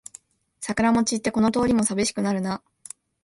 桜も散ってこの通りもさびしくなるな